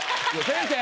先生。